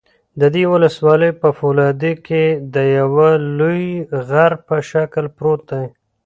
د دې ولسوالۍ په فولادي کې د یوه لوی غره په شکل پروت دى